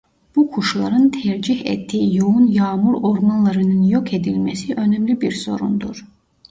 Bu kuşların tercih ettiği yoğun yağmur ormanlarının yok edilmesi önemli bir sorundur.